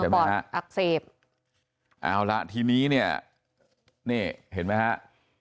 ปอดอักเสบเอาละทีนี้เนี่ยเห็นมั้ยครับ